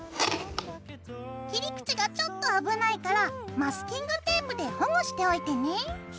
切り口がちょっと危ないからマスキングテープで保護しておいてね。